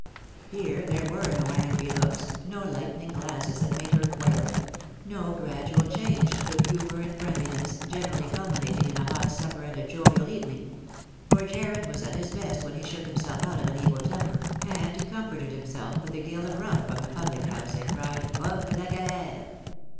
Here there were no angry looks, no lightning glances that made her quail ; no gradual change to good humour and friend liness, generally culminating in a hot supper and a jovial even ing ; for Jarred was at his best when he shook himself out of an evil temper, and comforted himself with a gill of rum from the public house, and cried Vogue la galere